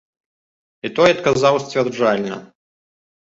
І той адказаў сцвярджальна.